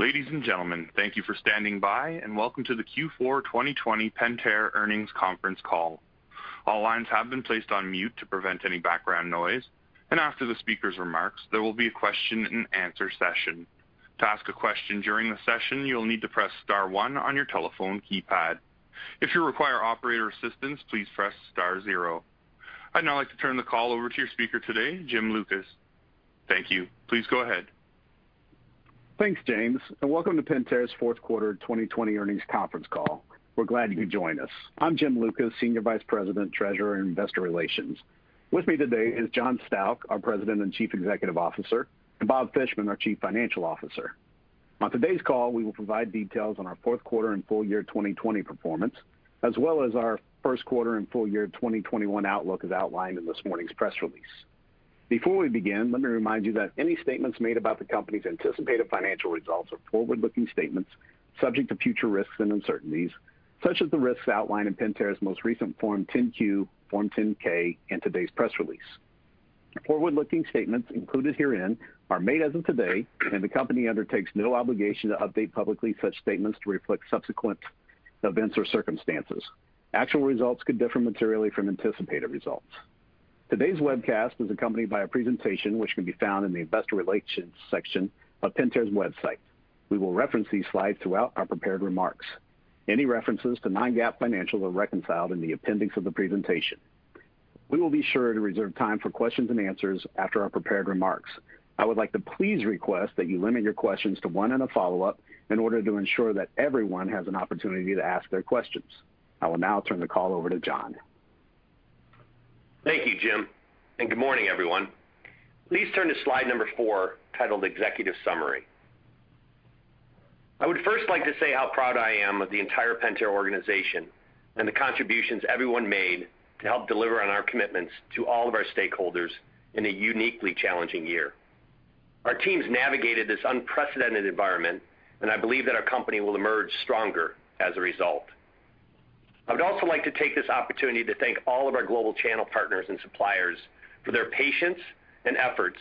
Ladies and gentlemen, thank you for standing by, welcome to the Q4 2020 Pentair Earnings Conference Call. All lines have been placed on mute to prevent any background noise, and after the speaker's remarks, there will be a question-and-answer session. To ask a question during the session, you'll need to press star one on your telephone keypad. If you require operator assistance, please press star zero. I'd now like to turn the call over to your speaker today, Jim Lucas. Thank you. Please go ahead. Thanks, James, and welcome to Pentair's Fourth Quarter 2020 Earnings Conference Call. We're glad you could join us. I'm Jim Lucas, Senior Vice President, Treasurer, and Investor Relations. With me today is John Stauch, our President and Chief Executive Officer, and Bob Fishman, our Chief Financial Officer. On today's call, we will provide details on our fourth quarter and full-year 2020 performance, as well as our first quarter and full-year 2021 outlook, as outlined in this morning's press release. Before we begin, let me remind you that any statements made about the company's anticipated financial results are forward-looking statements subject to future risks and uncertainties, such as the risks outlined in Pentair's most recent Form 10-Q, Form 10-K, and today's press release. Forward-looking statements included herein are made as of today, and the company undertakes no obligation to update publicly such statements to reflect subsequent events or circumstances. Actual results could differ materially from anticipated results. Today's webcast is accompanied by a presentation which can be found in the investor relations section of Pentair's website. We will reference these slides throughout our prepared remarks. Any references to non-GAAP financials are reconciled in the appendix of the presentation. We will be sure to reserve time for questions and answers after our prepared remarks. I would like to please request that you limit your questions to one and a follow-up in order to ensure that everyone has an opportunity to ask their questions. I will now turn the call over to John. Thank you, Jim. Good morning, everyone. Please turn to slide number four, titled Executive Summary. I would first like to say how proud I am of the entire Pentair organization and the contributions everyone made to help deliver on our commitments to all of our stakeholders in a uniquely challenging year. Our teams navigated this unprecedented environment, and I believe that our company will emerge stronger as a result. I would also like to take this opportunity to thank all of our global channel partners and suppliers for their patience and efforts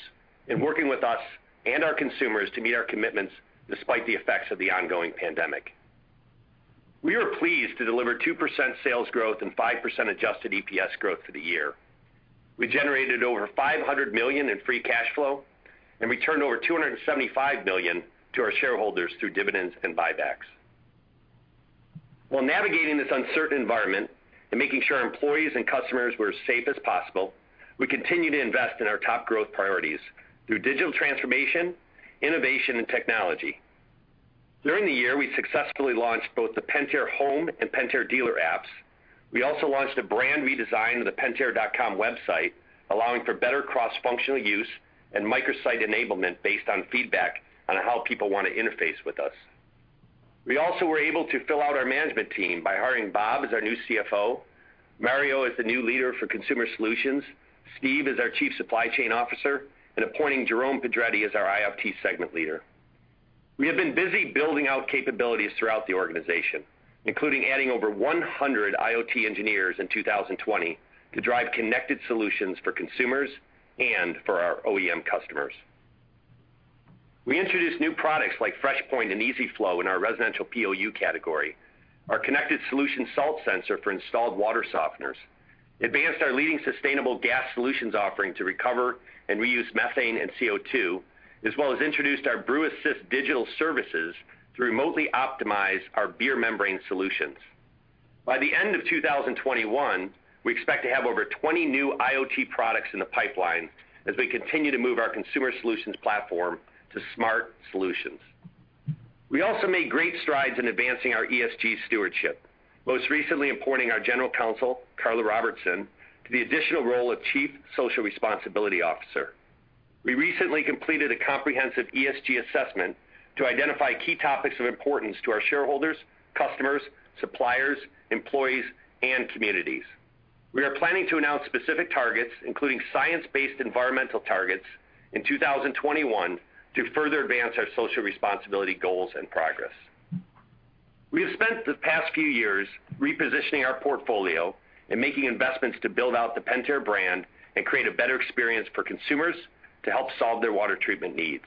in working with us and our consumers to meet our commitments, despite the effects of the ongoing pandemic. We are pleased to deliver 2% sales growth and 5% adjusted EPS growth for the year. We generated over $500 million in free cash flow, and returned over $275 million to our shareholders through dividends and buybacks. While navigating this uncertain environment and making sure employees and customers were as safe as possible, we continued to invest in our top growth priorities through digital transformation, innovation, and technology. During the year, we successfully launched both the Pentair Home and Pentair Dealer apps. We also launched a brand redesign of the pentair.com website, allowing for better cross-functional use and microsite enablement based on feedback on how people want to interface with us. We also were able to fill out our management team by hiring Bob as our new CFO, Mario as the new leader for Consumer Solutions, Steve as our Chief Supply Chain Officer, and appointing Jerome Pedretti as our IoT segment leader. We have been busy building out capabilities throughout the organization, including adding over 100 IoT engineers in 2020 to drive connected solutions for consumers and for our OEM customers. We introduced new products like FreshPoint and EasyFlow in our residential POU category, our Connected Solution salt sensor for installed water softeners, advanced our leading sustainable gas solutions offering to recover and reuse methane and CO2, as well as introduced our BrewAssist digital services to remotely optimize our beer membrane solutions. By the end of 2021, we expect to have over 20 new IoT products in the pipeline as we continue to move our Consumer Solutions platform to smart solutions. We also made great strides in advancing our ESG stewardship, most recently appointing our General Counsel, Karla Robertson, to the additional role of Chief Social Responsibility Officer. We recently completed a comprehensive ESG assessment to identify key topics of importance to our shareholders, customers, suppliers, employees, and communities. We are planning to announce specific targets, including science-based environmental targets in 2021 to further advance our social responsibility goals and progress. We have spent the past few years repositioning our portfolio and making investments to build out the Pentair brand and create a better experience for consumers to help solve their water treatment needs.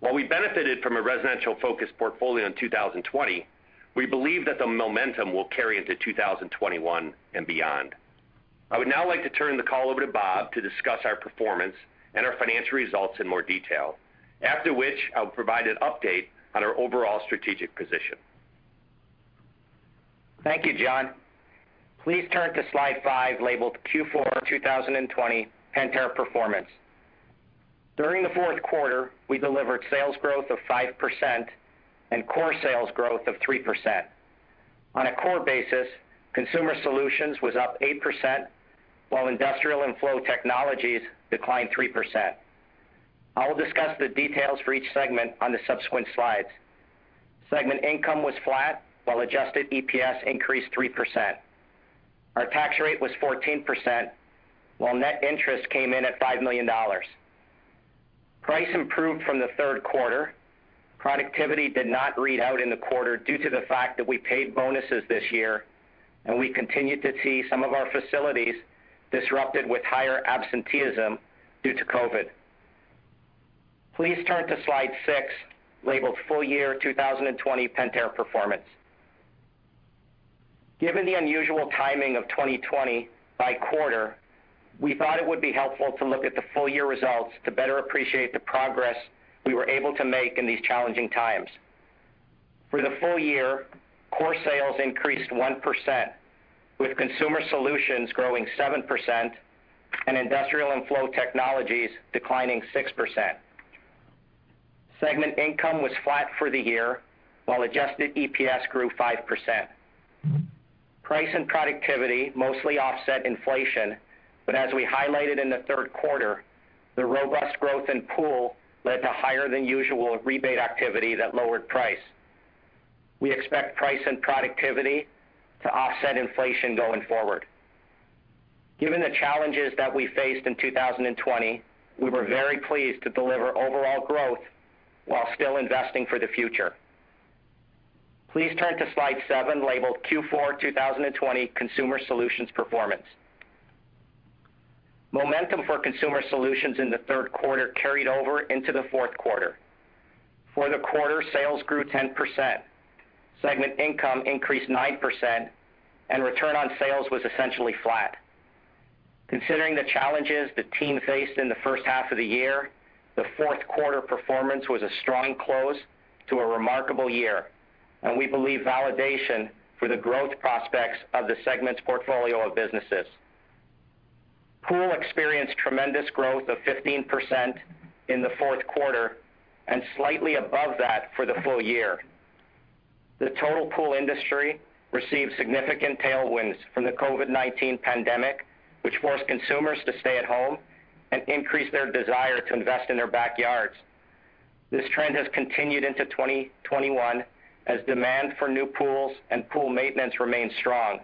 While we benefited from a residential-focused portfolio in 2020, we believe that the momentum will carry into 2021 and beyond. I would now like to turn the call over to Bob to discuss our performance and our financial results in more detail. After which, I'll provide an update on our overall strategic position. Thank you, John. Please turn to slide five, labeled Q4 2020 Pentair Performance. During the fourth quarter, we delivered sales growth of 5% and core sales growth of 3%. On a core basis, Consumer Solutions was up 8%, while Industrial & Flow Technologies declined 3%. I will discuss the details for each segment on the subsequent slides. Segment income was flat, while adjusted EPS increased 3%. Our tax rate was 14%, while net interest came in at $5 million. Price improved from the third quarter. Productivity did not read out in the quarter due to the fact that we paid bonuses this year. We continue to see some of our facilities disrupted with higher absenteeism due to COVID. Please turn to slide six, labeled full-year 2020 Pentair Performance. Given the unusual timing of 2020 by quarter, we thought it would be helpful to look at the full-year results to better appreciate the progress we were able to make in these challenging times. For the full-year, core sales increased 1%, with Consumer Solutions growing 7% and Industrial & Flow Technologies declining 6%. Segment income was flat for the year, while adjusted EPS grew 5%. Price and productivity mostly offset inflation, but as we highlighted in the third quarter, the robust growth in pool led to higher than usual rebate activity that lowered price. We expect price and productivity to offset inflation going forward. Given the challenges that we faced in 2020, we were very pleased to deliver overall growth while still investing for the future. Please turn to slide seven, labeled Q4 2020 Consumer Solutions Performance. Momentum for Consumer Solutions in the third quarter carried over into the fourth quarter. For the quarter, sales grew 10%, segment income increased 9%, and return on sales was essentially flat. Considering the challenges the team faced in the first half of the year, the fourth quarter performance was a strong close to a remarkable year, and we believe validation for the growth prospects of the segment's portfolio of businesses. Pool experienced tremendous growth of 15% in the fourth quarter, and slightly above that for the full-year. The total pool industry received significant tailwinds from the COVID-19 pandemic, which forced consumers to stay at home and increase their desire to invest in their backyards. This trend has continued into 2021 as demand for new pools and pool maintenance remains strong.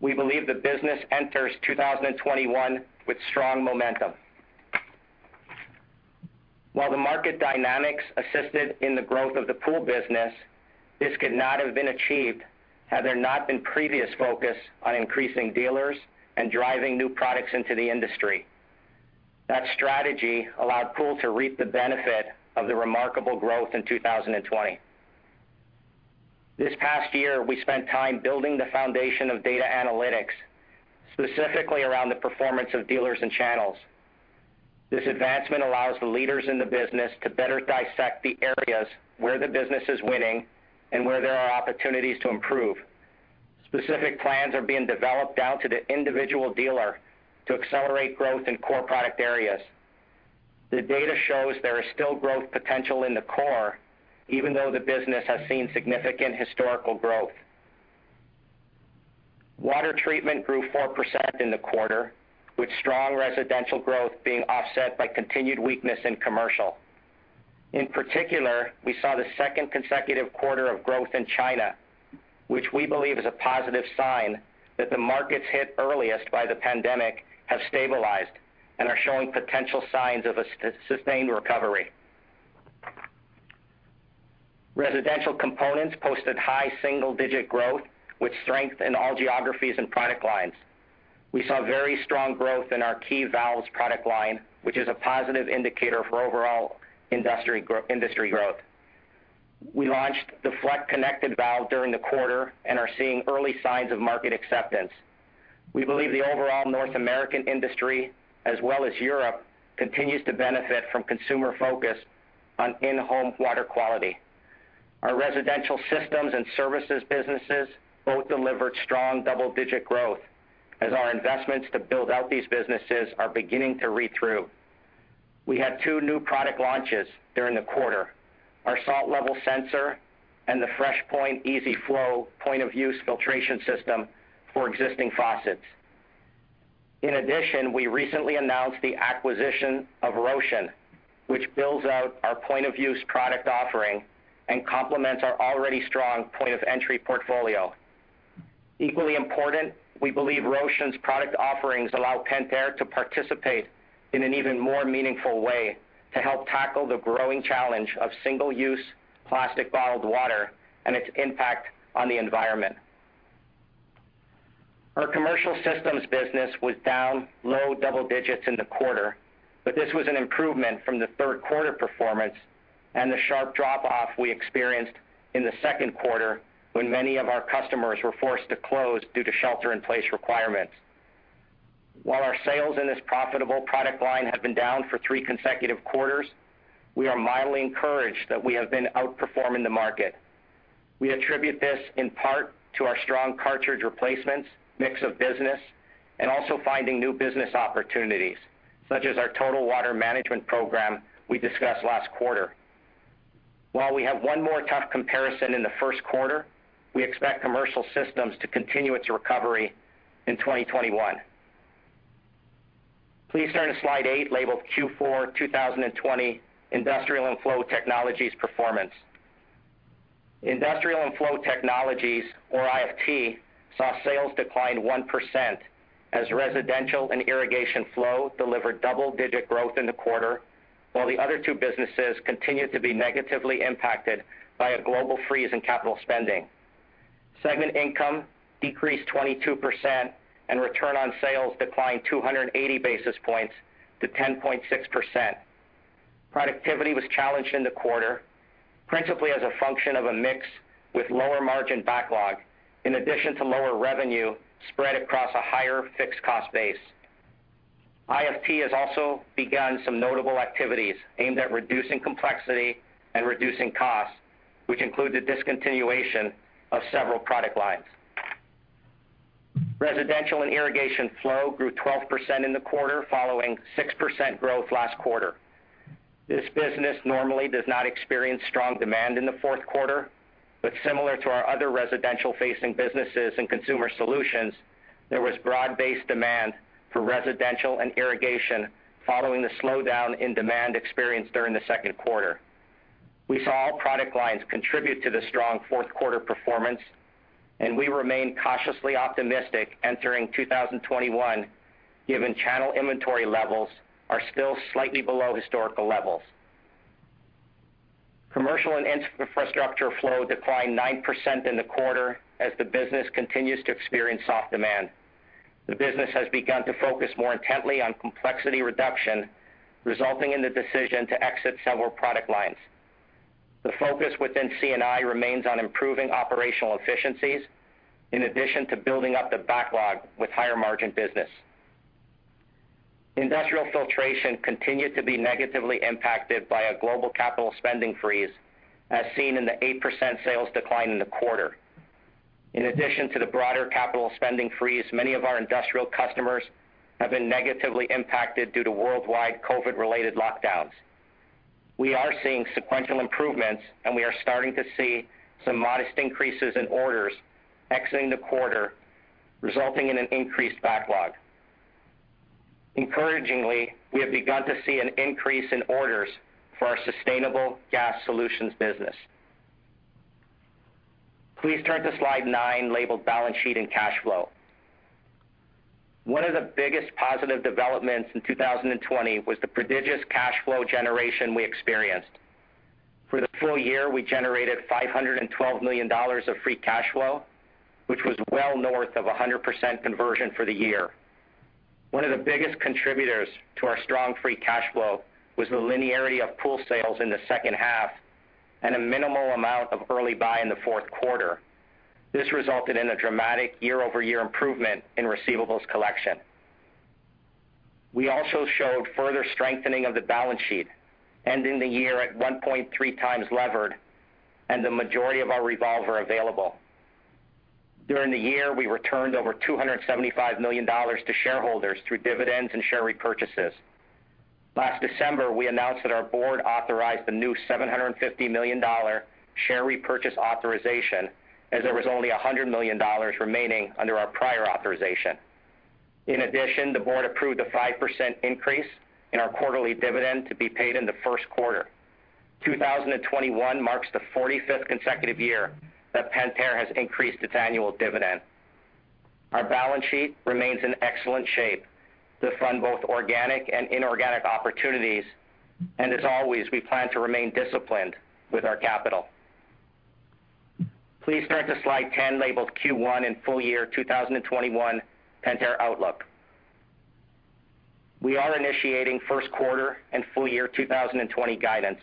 We believe the business enters 2021 with strong momentum. The market dynamics assisted in the growth of the pool business, this could not have been achieved had there not been previous focus on increasing dealers and driving new products into the industry. That strategy allowed Pool to reap the benefit of the remarkable growth in 2020. This past year, we spent time building the foundation of data analytics, specifically around the performance of dealers and channels. This advancement allows the leaders in the business to better dissect the areas where the business is winning and where there are opportunities to improve. Specific plans are being developed down to the individual dealer to accelerate growth in core product areas. The data shows there is still growth potential in the core, even though the business has seen significant historical growth. Water treatment grew 4% in the quarter, with strong residential growth being offset by continued weakness in commercial. In particular, we saw the second consecutive quarter of growth in China, which we believe is a positive sign that the markets hit earliest by the pandemic have stabilized and are showing potential signs of a sustained recovery. Residential components posted high single-digit growth with strength in all geographies and product lines. We saw very strong growth in our key valves product line, which is a positive indicator for overall industry growth. We launched the Fleck connected valve during the quarter and are seeing early signs of market acceptance. We believe the overall North American industry, as well as Europe, continues to benefit from consumer focus on in-home water quality. Our residential systems and services businesses both delivered strong double-digit growth as our investments to build out these businesses are beginning to read through. We had two new product launches during the quarter: our salt level sensor and the FreshPoint EasyFlow point of use filtration system for existing faucets. In addition, we recently announced the acquisition of Rocean, which builds out our point of use product offering and complements our already strong point of entry portfolio. Equally important, we believe Rocean's product offerings allow Pentair to participate in an even more meaningful way to help tackle the growing challenge of single-use plastic bottled water and its impact on the environment. Our commercial systems business was down low double digits in the quarter, but this was an improvement from the third quarter performance and the sharp drop-off we experienced in the second quarter when many of our customers were forced to close due to shelter in place requirements. While our sales in this profitable product line have been down for three consecutive quarters, we are mildly encouraged that we have been outperforming the market. We attribute this in part to our strong cartridge replacements, mix of business, and also finding new business opportunities, such as our Total Water Management program we discussed last quarter. While we have one more tough comparison in the first quarter, we expect commercial systems to continue its recovery in 2021. Please turn to slide eight, labeled Q4 2020 Industrial & Flow Technologies Performance. Industrial and Flow Technologies, or IFT, saw sales decline 1% as residential and irrigation flow delivered double-digit growth in the quarter while the other two businesses continued to be negatively impacted by a global freeze in capital spending. Segment income decreased 22%, and return on sales declined 280 basis points to 10.6%. Productivity was challenged in the quarter, principally as a function of a mix with lower margin backlog, in addition to lower revenue spread across a higher fixed cost base. IFT has also begun some notable activities aimed at reducing complexity and reducing costs, which include the discontinuation of several product lines. Residential and irrigation flow grew 12% in the quarter, following 6% growth last quarter. This business normally does not experience strong demand in the fourth quarter, but similar to our other residential-facing businesses and Consumer Solutions, there was broad-based demand for residential and irrigation following the slowdown in demand experienced during the second quarter. We saw all product lines contribute to the strong fourth quarter performance, and we remain cautiously optimistic entering 2021, given channel inventory levels are still slightly below historical levels. Commercial and infrastructure flow declined 9% in the quarter as the business continues to experience soft demand. The business has begun to focus more intently on complexity reduction, resulting in the decision to exit several product lines. The focus within C&I remains on improving operational efficiencies in addition to building up the backlog with higher margin business. Industrial filtration continued to be negatively impacted by a global capital spending freeze, as seen in the 8% sales decline in the quarter. In addition to the broader capital spending freeze, many of our industrial customers have been negatively impacted due to worldwide COVID-related lockdowns. We are seeing sequential improvements, and we are starting to see some modest increases in orders exiting the quarter, resulting in an increased backlog. Encouragingly, we have begun to see an increase in orders for our Sustainable Gas Solutions business. Please turn to slide nine, labeled "Balance Sheet and Cash Flow." One of the biggest positive developments in 2020 was the prodigious cash flow generation we experienced. For the full-year, we generated $512 million of free cash flow, which was well north of 100% conversion for the year. One of the biggest contributors to our strong free cash flow was the linearity of pool sales in the second half and a minimal amount of early buy in the fourth quarter. This resulted in a dramatic year-over-year improvement in receivables collection. We also showed further strengthening of the balance sheet, ending the year at 1.3x levered and the majority of our revolver available. During the year, we returned over $275 million to shareholders through dividends and share repurchases. Last December, we announced that our board authorized a new $750 million share repurchase authorization, as there was only $100 million remaining under our prior authorization. In addition, the board approved a 5% increase in our quarterly dividend to be paid in the first quarter. 2021 marks the 45th consecutive year that Pentair has increased its annual dividend. Our balance sheet remains in excellent shape to fund both organic and inorganic opportunities, and as always, we plan to remain disciplined with our capital. Please turn to slide 10, labeled "Q1 and full-year 2021 Pentair Outlook." We are initiating first quarter and full-year 2020 guidance.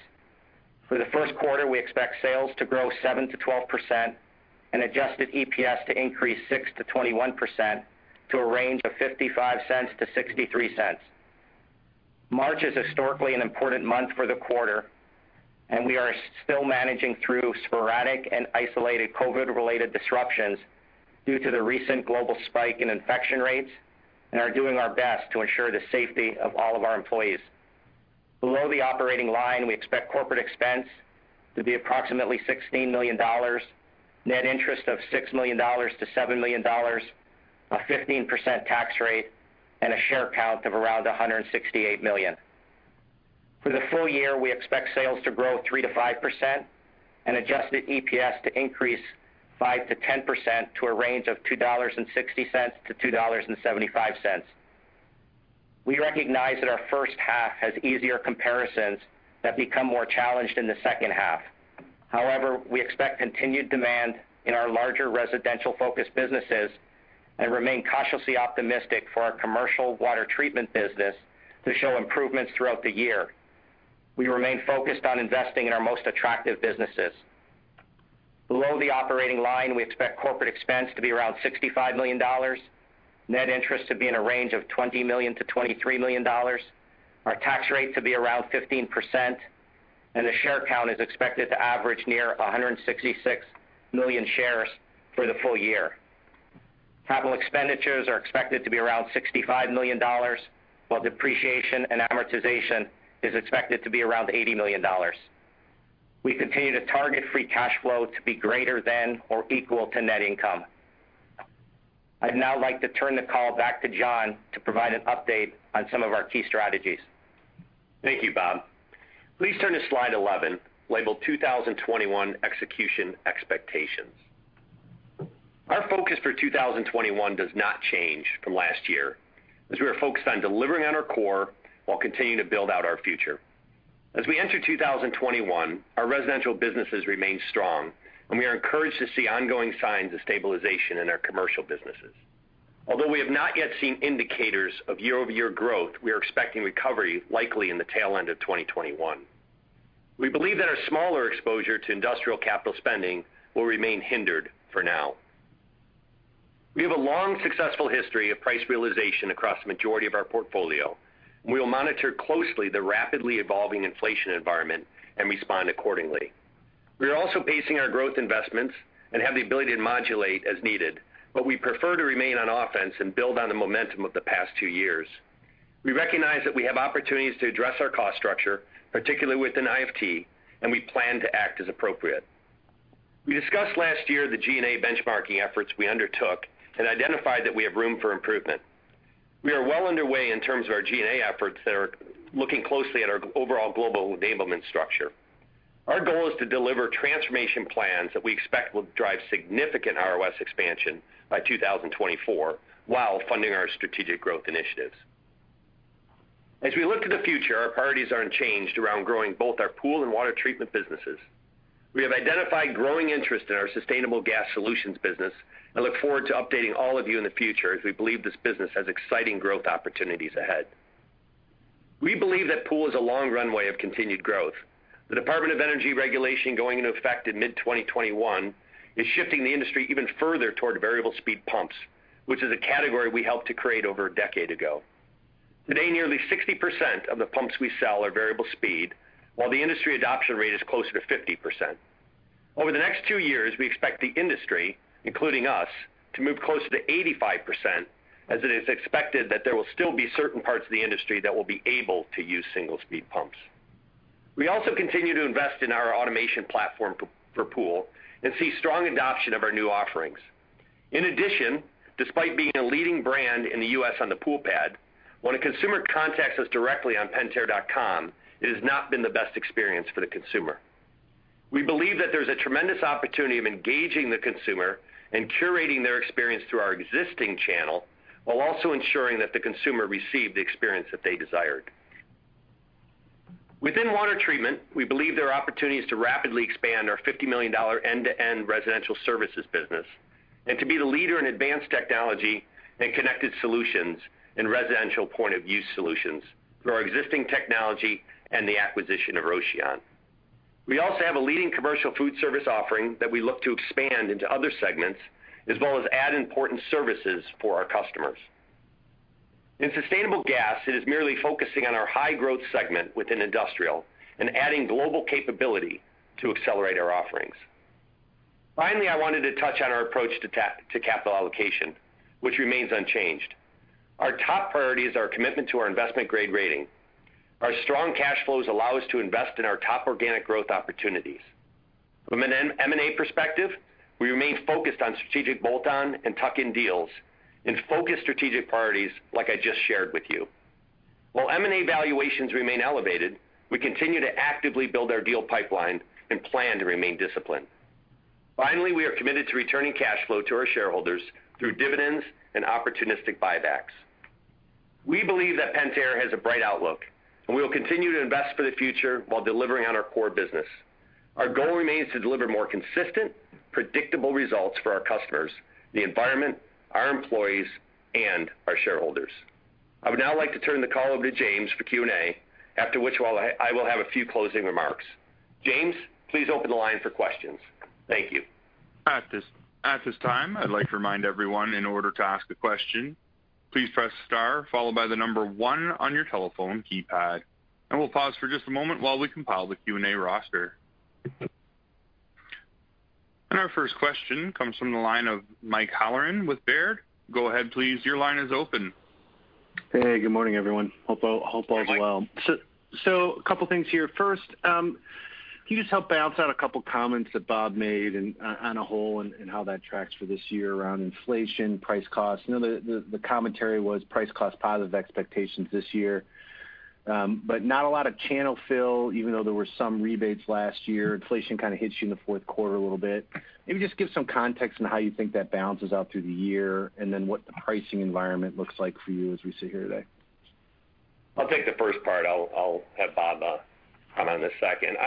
For the first quarter, we expect sales to grow 7%-12% and adjusted EPS to increase 6%-21% to a range of $0.55-$0.63. March is historically an important month for the quarter, and we are still managing through sporadic and isolated COVID-related disruptions due to the recent global spike in infection rates and are doing our best to ensure the safety of all of our employees. Below the operating line, we expect corporate expense to be approximately $16 million, net interest of $6 million to $7 million, a 15% tax rate, and a share count of around 168 million. For the full-year, we expect sales to grow 3%-5% and adjusted EPS to increase 5%-10% to a range of $2.60-$2.75. We recognize that our first half has easier comparisons that become more challenged in the second half. We expect continued demand in our larger residential focused businesses and remain cautiously optimistic for our commercial water treatment business to show improvements throughout the year. We remain focused on investing in our most attractive businesses. Below the operating line, we expect corporate expense to be around $65 million, net interest to be in a range of $20 million to $23 million, our tax rate to be around 15%, and the share count is expected to average near 166 million shares for the full-year. Capital expenditures are expected to be around $65 million, while depreciation and amortization is expected to be around $80 million. We continue to target free cash flow to be greater than or equal to net income. I'd now like to turn the call back to John to provide an update on some of our key strategies. Thank you, Bob. Please turn to slide 11, labeled "2021 Execution Expectations." Our focus for 2021 does not change from last year, as we are focused on delivering on our core while continuing to build out our future. As we enter 2021, our residential businesses remain strong, and we are encouraged to see ongoing signs of stabilization in our commercial businesses. Although we have not yet seen indicators of year-over-year growth, we are expecting recovery likely in the tail end of 2021. We believe that our smaller exposure to industrial capital spending will remain hindered for now. We have a long, successful history of price realization across the majority of our portfolio. We will monitor closely the rapidly evolving inflation environment and respond accordingly. We are also pacing our growth investments and have the ability to modulate as needed, but we prefer to remain on offense and build on the momentum of the past two years. We recognize that we have opportunities to address our cost structure, particularly within IFT, and we plan to act as appropriate. We discussed last year the G&A benchmarking efforts we undertook and identified that we have room for improvement. We are well underway in terms of our G&A efforts that are looking closely at our overall global enablement structure. Our goal is to deliver transformation plans that we expect will drive significant ROS expansion by 2024 while funding our strategic growth initiatives. As we look to the future, our priorities are unchanged around growing both our pool and water treatment businesses. We have identified growing interest in our Sustainable Gas Solutions business and look forward to updating all of you in the future as we believe this business has exciting growth opportunities ahead. We believe that pool is a long runway of continued growth. The Department of Energy regulation going into effect in mid-2021 is shifting the industry even further toward variable speed pumps, which is a category we helped to create over a decade ago. Today, nearly 60% of the pumps we sell are variable speed, while the industry adoption rate is closer to 50%. Over the next two years, we expect the industry, including us, to move closer to 85% as it is expected that there will still be certain parts of the industry that will be able to use single speed pumps. We continue to invest in our automation platform for pool and see strong adoption of our new offerings. Despite being a leading brand in the U.S. on the pool pad, when a consumer contacts us directly on pentair.com, it has not been the best experience for the consumer. We believe that there's a tremendous opportunity of engaging the consumer and curating their experience through our existing channel, while also ensuring that the consumer received the experience that they desired. Within water treatment, we believe there are opportunities to rapidly expand our $50 million end-to-end residential services business and to be the leader in advanced technology and connected solutions in residential point of use solutions through our existing technology and the acquisition of Rocean. We also have a leading commercial food service offering that we look to expand into other segments, as well as add important services for our customers. In sustainable gas, it is merely focusing on our high growth segment within Industrial and adding global capability to accelerate our offerings. Finally, I wanted to touch on our approach to capital allocation, which remains unchanged. Our top priority is our commitment to our investment grade rating. Our strong cash flows allow us to invest in our top organic growth opportunities. From an M&A perspective, we remain focused on strategic bolt-on and tuck-in deals and focused strategic priorities like I just shared with you. While M&A valuations remain elevated, we continue to actively build our deal pipeline and plan to remain disciplined. Finally, we are committed to returning cash flow to our shareholders through dividends and opportunistic buybacks. We believe that Pentair has a bright outlook, and we will continue to invest for the future while delivering on our core business. Our goal remains to deliver more consistent, predictable results for our customers, the environment, our employees, and our shareholders. I would now like to turn the call over to James for Q&A, after which I will have a few closing remarks. James, please open the line for questions. Thank you. At this time, I'd like to remind everyone, in order to ask a question, please press star followed by one on your telephone keypad, and we'll pause for just a moment while we compile the Q&A roster. Our first question comes from the line of Mike Halloran with Baird. Go ahead please. Your line is open. Hey, good morning, everyone. Hope all is well. A couple of things here. First, can you just help balance out a couple of comments that Bob made and on a whole and how that tracks for this year around inflation, price cost? The commentary was price cost positive expectations this year. Not a lot of channel fill even though there were some rebates last year. Inflation kind of hits you in the fourth quarter a little bit. Maybe just give some context on how you think that balances out through the year, and then what the pricing environment looks like for you as we sit here today. I'll take the first part. I'll have Bob come on the second.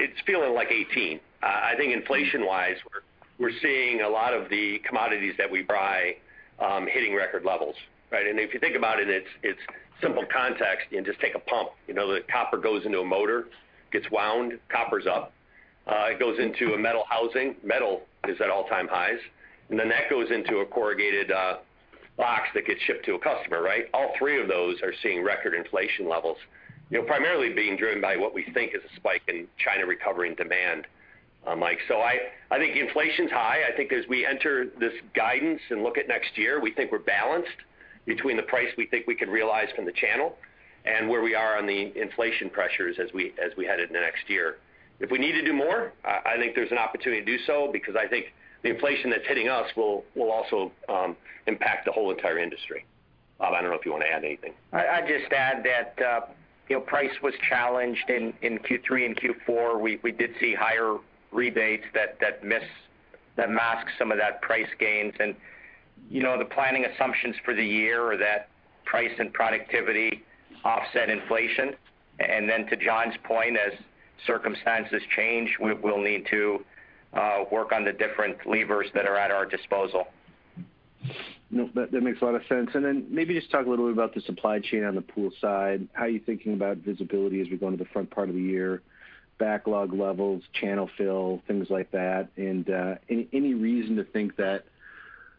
It's feeling like 2018. I think inflation-wise, we're seeing a lot of the commodities that we buy hitting record levels, right? If you think about it's simple context. You just take a pump. The copper goes into a motor, gets wound. Copper's up. It goes into a metal housing. Metal is at all time highs. That goes into a corrugated box that gets shipped to a customer, right? All three of those are seeing record inflation levels, primarily being driven by what we think is a spike in China recovering demand, Mike. I think inflation's high. I think as we enter this guidance and look at next year, we think we're balanced between the price we think we can realize from the channel and where we are on the inflation pressures as we head into next year. If we need to do more, I think there's an opportunity to do so because I think the inflation that's hitting us will also impact the whole entire industry. Bob, I don't know if you want to add anything. I'd just add that price was challenged in Q3 and Q4. We did see higher rebates that masked some of that price gains. The planning assumptions for the year are that price and productivity offset inflation. To John's point, as circumstances change, we'll need to work on the different levers that are at our disposal. No, that makes a lot of sense. Maybe just talk a little bit about the supply chain on the pool side. How are you thinking about visibility as we go into the front part of the year, backlog levels, channel fill, things like that? Any reason to think that,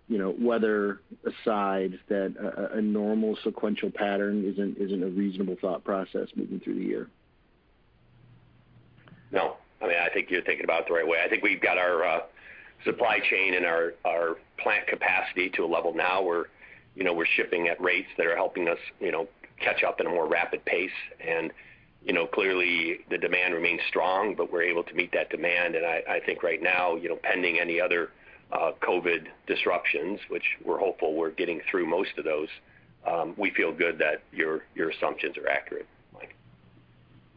weather aside, that a normal sequential pattern isn't a reasonable thought process moving through the year? No. I think you're thinking about it the right way. I think we've got our supply chain and our plant capacity to a level now where we're shipping at rates that are helping us catch up at a more rapid pace. Clearly the demand remains strong, but we're able to meet that demand. I think right now, pending any other COVID disruptions, which we're hopeful we're getting through most of those, we feel good that your assumptions are accurate, Mike.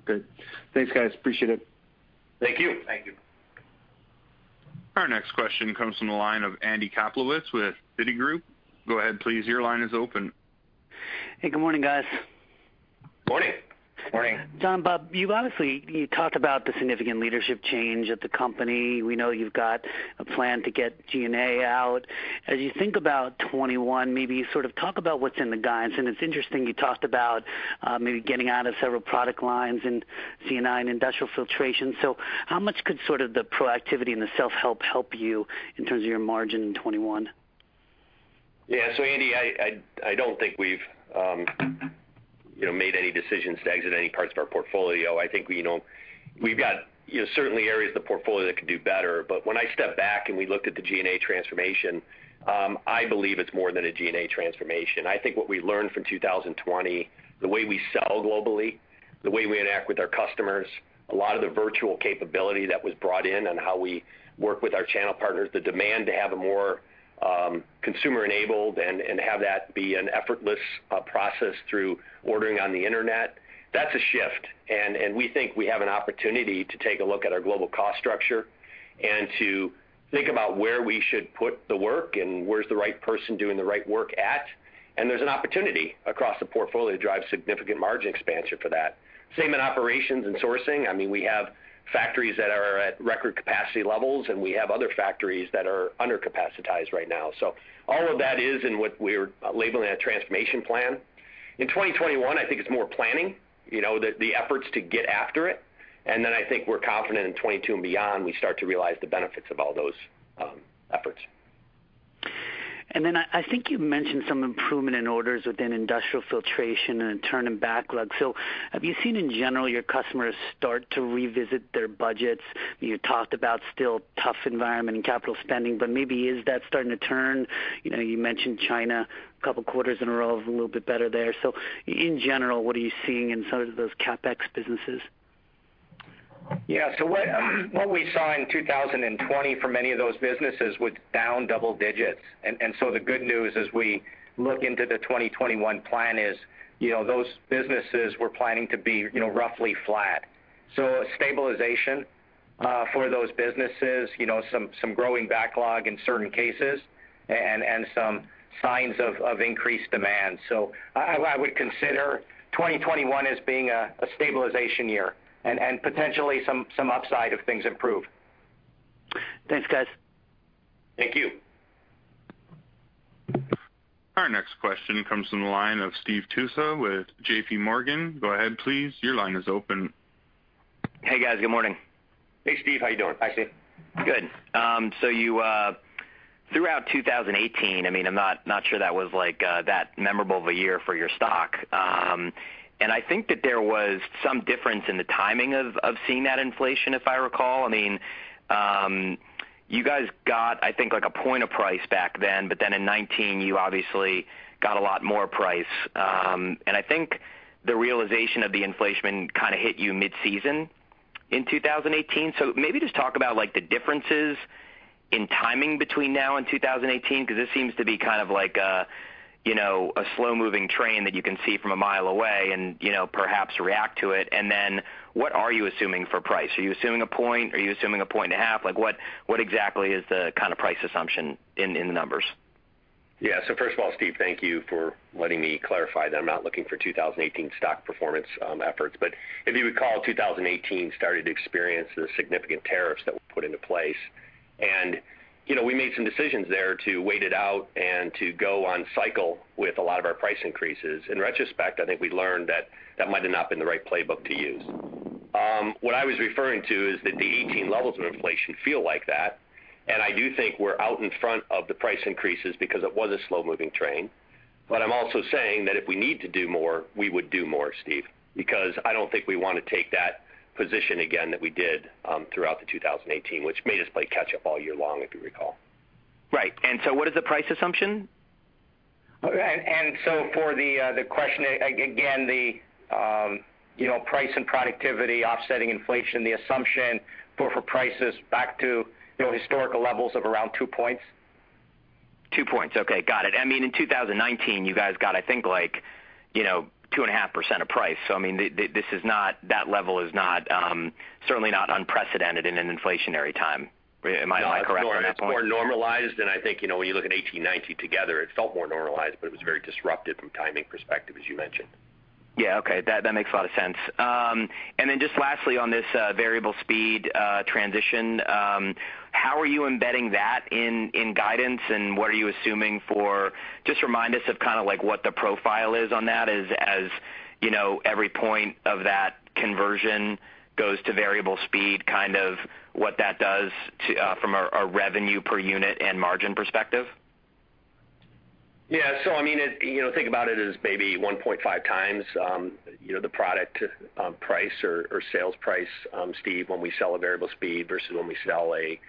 Good. Thanks, guys. Appreciate it. Thank you. Thank you. Our next question comes from the line of Andy Kaplowitz with Citigroup. Hey, good morning, guys. Morning. Morning. John, Bob, you've obviously talked about the significant leadership change at the company. We know you've got a plan to get G&A out. As you think about 2021, maybe you talk about what's in the guidance, and it's interesting you talked about maybe getting out of several product lines in C&I and Industrial Filtration. How much could the proactivity and the self help, help you in terms of your margin in 2021? Andy, I don't think we've made any decisions to exit any parts of our portfolio. I think we've got certainly areas of the portfolio that could do better. When I step back and we looked at the G&A transformation, I believe it's more than a G&A transformation. I think what we learned from 2020, the way we sell globally, the way we interact with our customers, a lot of the virtual capability that was brought in and how we work with our channel partners, the demand to have a more consumer-enabled and have that be an effortless process through ordering on the internet, that's a shift. We think we have an opportunity to take a look at our global cost structure and to think about where we should put the work and where's the right person doing the right work at. There's an opportunity across the portfolio to drive significant margin expansion for that. Same in operations and sourcing. We have factories that are at record capacity levels, and we have other factories that are under-capacitized right now. All of that is in what we're labeling a transformation plan. In 2021, I think it's more planning, the efforts to get after it. Then I think we're confident in 2022 and beyond, we start to realize the benefits of all those efforts. I think you mentioned some improvement in orders within Industrial Filtration and a turn in backlog. Have you seen in general your customers start to revisit their budgets? You talked about still tough environment in capital spending, but maybe is that starting to turn? You mentioned China a couple of quarters in a row is a little bit better there. In general, what are you seeing in some of those CapEx businesses? Yeah. What we saw in 2020 for many of those businesses was down double digits. The good news as we look into the 2021 plan is, those businesses we're planning to be roughly flat. A stabilization for those businesses, some growing backlog in certain cases and some signs of increased demand. I would consider 2021 as being a stabilization year and potentially some upside if things improve. Thanks, guys. Thank you. Our next question comes from the line of Steve Tusa with JPMorgan. Hey, guys. Good morning. Hey, Steve. How you doing? Hi, Steve. Good. Throughout 2018, I'm not sure that was that memorable of a year for your stock. I think that there was some difference in the timing of seeing that inflation, if I recall. You guys got, I think, a point of price back then, but then in 2019, you obviously got a lot more price. I think the realization of the inflation kind of hit you mid-season in 2018. Maybe just talk about the differences in timing between now and 2018, because this seems to be kind of like a slow-moving train that you can see from a mile away and perhaps react to it. What are you assuming for price? Are you assuming a point? Are you assuming a point and a half? What exactly is the kind of price assumption in the numbers? Yeah. First of all, Steve, thank you for letting me clarify that I'm not looking for 2018 stock performance efforts. If you recall, 2018 started to experience the significant tariffs that were put into place. We made some decisions there to wait it out and to go on cycle with a lot of our price increases. In retrospect, I think we learned that that might have not been the right playbook to use. What I was referring to is that the 2018 levels of inflation feel like that, and I do think we're out in front of the price increases because it was a slow-moving train. I'm also saying that if we need to do more, we would do more, Steve, because I don't think we want to take that position again that we did throughout 2018, which made us play catch up all year long, if you recall. Right. What is the price assumption? For the question, again, the price and productivity offsetting inflation, the assumption for prices back to historical levels of around two points. Two points. Okay, got it. In 2019, you guys got, I think, 2.5% of price. That level is certainly not unprecedented in an inflationary time. Am I correct on that point? It's more normalized than I think when you look at 2018, 2019 together, it felt more normalized, but it was very disruptive from a timing perspective, as you mentioned. Yeah, okay. That makes a lot of sense. Just lastly, on this variable speed transition, how are you embedding that in guidance, and what are you assuming for, just remind us of what the profile is on that as every point of that conversion goes to variable speed, what that does from a revenue per unit and margin perspective? Yeah. Think about it as maybe 1.5x the product price or sales price, Steve, when we sell a variable speed versus when we sell a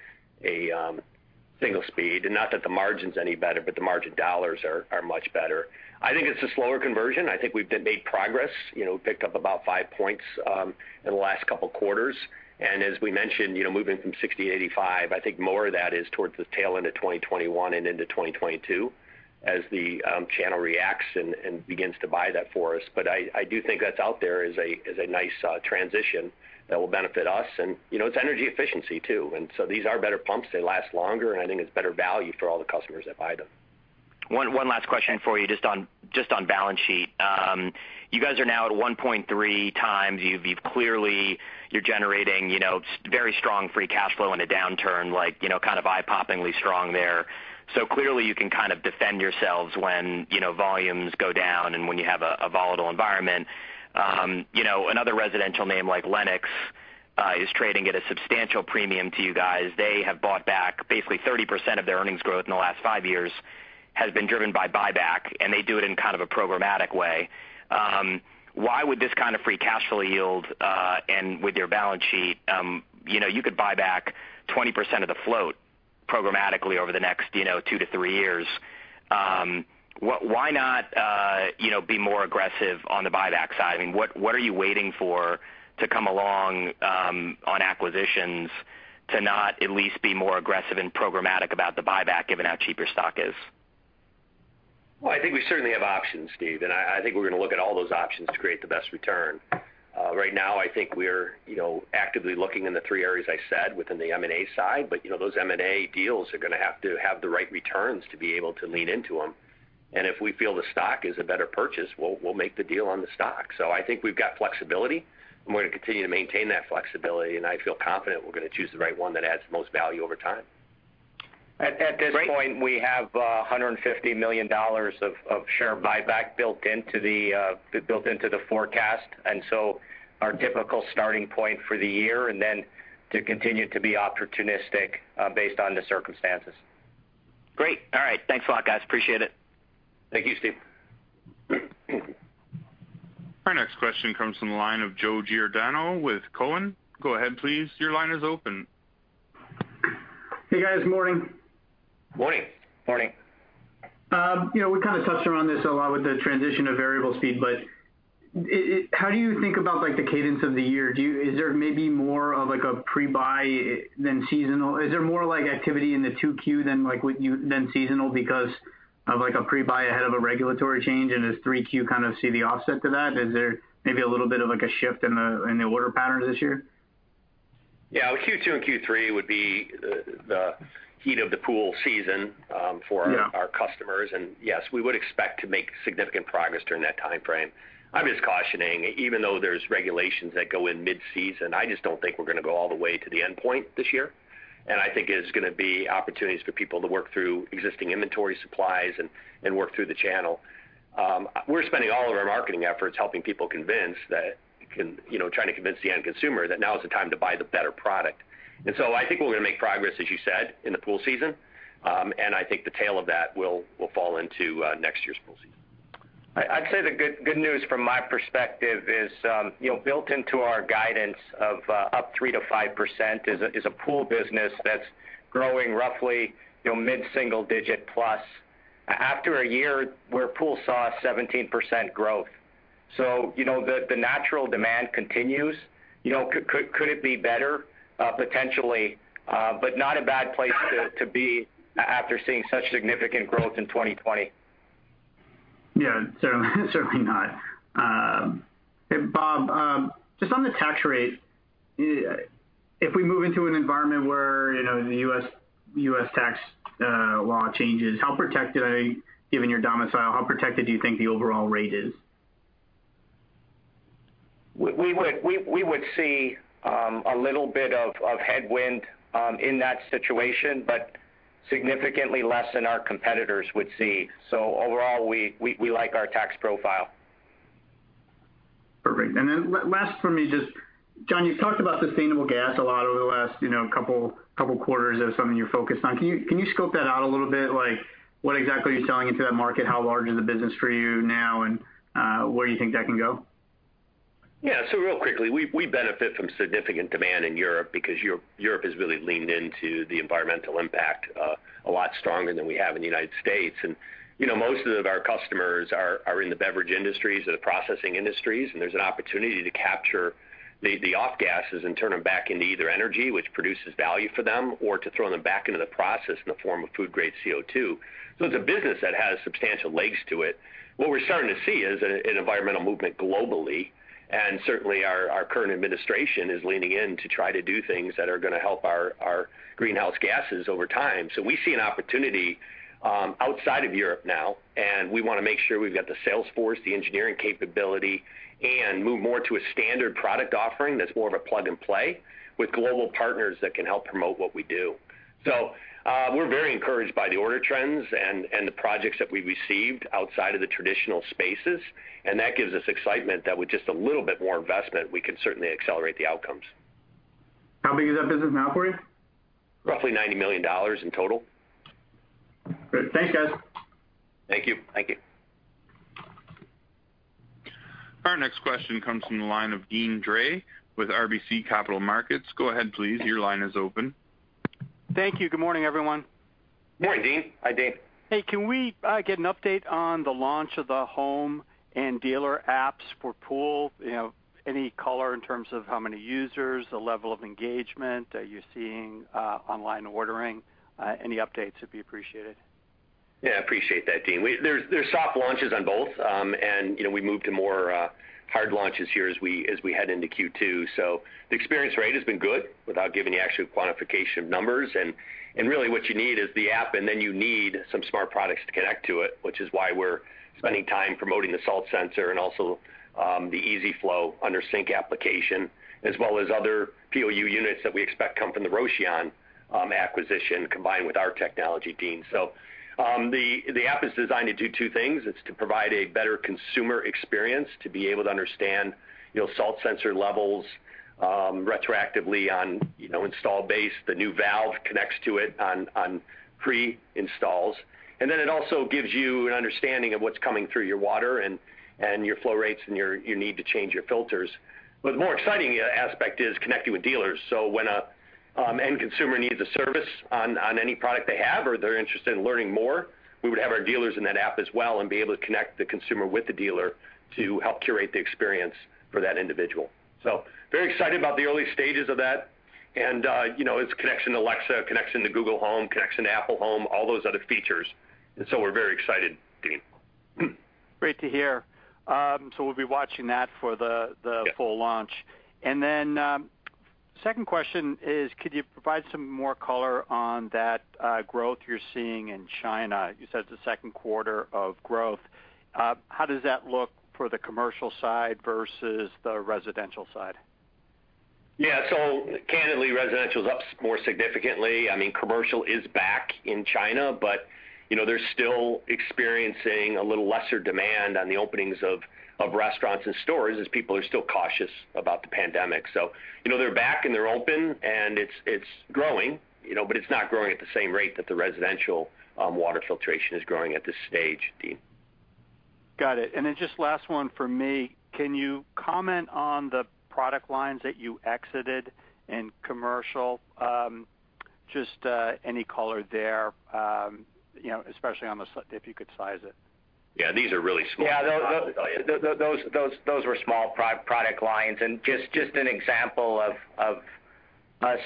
single speed. Not that the margin's any better, but the margin dollars are much better. I think it's a slower conversion. I think we've made progress. We've picked up about five points in the last couple of quarters. As we mentioned, moving from 60 to 85, I think more of that is towards the tail end of 2021 and into 2022 as the channel reacts and begins to buy that for us. I do think that's out there as a nice transition that will benefit us, and it's energy efficiency, too. These are better pumps. They last longer, and I think it's better value for all the customers that buy them. One last question for you, just on balance sheet. You guys are now at 1.3x. You're generating very strong free cash flow in a downturn, eye poppingly strong there. Clearly, you can defend yourselves when volumes go down and when you have a volatile environment. Another residential name like Lennox is trading at a substantial premium to you guys. They have basically 30% of their earnings growth in the last five years has been driven by buyback, and they do it in kind of a programmatic way. Why would this kind of free cash flow yield and with your balance sheet, you could buy back 20% of the float programmatically over the next two to three years. Why not be more aggressive on the buyback side? What are you waiting for to come along on acquisitions to not at least be more aggressive and programmatic about the buyback given how cheap your stock is? Well, I think we certainly have options, Steve, and I think we're going to look at all those options to create the best return. Right now, I think we're actively looking in the three areas I said within the M&A side. Those M&A deals are going to have to have the right returns to be able to lean into them. If we feel the stock is a better purchase, we'll make the deal on the stock. I think we've got flexibility, and we're going to continue to maintain that flexibility, and I feel confident we're going to choose the right one that adds the most value over time. At this point, we have $150 million of share buyback built into the forecast, and so our typical starting point for the year, and then to continue to be opportunistic based on the circumstances. Great. All right. Thanks a lot, guys. Appreciate it. Thank you, Steve. Our next question comes from the line of Joe Giordano with Cowen. Hey, guys. Morning. Morning. Morning. We kind of touched around this a lot with the transition of variable speed. How do you think about the cadence of the year? Is there maybe more of a pre-buy than seasonal? Is there more activity in the 2Q than seasonal because of a pre-buy ahead of a regulatory change? Does 3-Q kind of see the offset to that? Is there maybe a little bit of a shift in the order patterns this year? Yeah. Q2 and Q3 would be the heat of the pool season. Yeah customers. Yes, we would expect to make significant progress during that timeframe. I'm just cautioning, even though there's regulations that go in mid-season, I just don't think we're going to go all the way to the endpoint this year. I think there's going to be opportunities for people to work through existing inventory supplies and work through the channel. We're spending all of our marketing efforts helping people trying to convince the end consumer that now is the time to buy the better product. I think we're going to make progress, as you said, in the pool season. I think the tail of that will fall into next year's pool season. I'd say the good news from my perspective is built into our guidance of up 3%-5% is a pool business that's growing roughly mid-single digit plus after a year where pool saw 17% growth. The natural demand continues. Could it be better? Potentially, not a bad place to be after seeing such significant growth in 2020. Yeah. Certainly not. Bob, just on the tax rate, if we move into an environment where the U.S. tax law changes, given your domicile, how protected do you think the overall rate is? We would see a little bit of headwind in that situation, but significantly less than our competitors would see. Overall, we like our tax profile. Perfect. Last for me, just John, you've talked about sustainable gas a lot over the last couple quarters as something you're focused on. Can you scope that out a little bit? What exactly are you selling into that market? How large is the business for you now, and where do you think that can go? Yeah. Real quickly, we benefit from significant demand in Europe because Europe has really leaned into the environmental impact a lot stronger than we have in the United States. Most of our customers are in the beverage industries or the processing industries, and there's an opportunity to capture the off gases and turn them back into either energy, which produces value for them, or to throw them back into the process in the form of food-grade CO2. It's a business that has substantial legs to it. What we're starting to see is an environmental movement globally, and certainly our current administration is leaning in to try to do things that are going to help our greenhouse gases over time. We see an opportunity outside of Europe now, and we want to make sure we've got the sales force, the engineering capability, and move more to a standard product offering that's more of a plug-and-play with global partners that can help promote what we do. We're very encouraged by the order trends and the projects that we received outside of the traditional spaces. That gives us excitement that with just a little bit more investment, we could certainly accelerate the outcomes. How big is that business now for you? Roughly $90 million in total. Great. Thanks, guys. Thank you. Our next question comes from the line of Deane Dray with RBC Capital Markets. Go ahead, please. Your line is open. Thank you. Good morning, everyone. Morning, Deane. Hi, Deane. Hey, can we get an update on the launch of the home and dealer apps for pool? Any color in terms of how many users, the level of engagement that you're seeing online ordering? Any updates would be appreciated. Yeah, I appreciate that, Deane. There's soft launches on both. We move to more hard launches here as we head into Q2. The experience rate has been good without giving you actual quantification of numbers. Really what you need is the app, and then you need some smart products to connect to it, which is why we're spending time promoting the salt sensor and also the EasyFlow under sink application, as well as other POU units that we expect come from the Rocean acquisition combined with our technology team. The app is designed to do two things. It's to provide a better consumer experience to be able to understand salt sensor levels retroactively on install base. The new valve connects to it on pre-installs. It also gives you an understanding of what's coming through your water and your flow rates and your need to change your filters. The more exciting aspect is connecting with dealers. When an end consumer needs a service on any product they have or they're interested in learning more, we would have our dealers in that app as well and be able to connect the consumer with the dealer to help curate the experience for that individual. Very excited about the early stages of that. Its connection to Alexa, connection to Google Home, connection to Apple Home, all those other features. We're very excited, Deane. Great to hear. We'll be watching that for the full launch. Yeah. Second question is, could you provide some more color on that growth you're seeing in China? You said it's the second quarter of growth. How does that look for the commercial side versus the residential side? Yeah. Candidly, residential is up more significantly. Commercial is back in China, but they're still experiencing a little lesser demand on the openings of restaurants and stores as people are still cautious about the pandemic. They're back and they're open and it's growing, but it's not growing at the same rate that the residential water filtration is growing at this stage, Deane. Got it. Just last one from me. Can you comment on the product lines that you exited in commercial? Just any color there, especially if you could size it. Yeah, these are really small. Yeah, those were small product lines and just an example of us